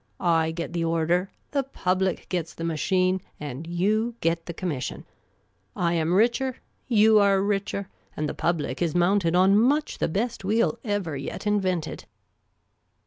I get the order, the public gets the machine, and you get the commission. I am richer, you are richer, and the public is mounted on much the best wheel ever yet invented."